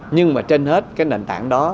nhưng mà trên hết cái nền tảng đó